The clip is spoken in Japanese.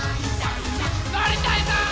「のりたいぞ！」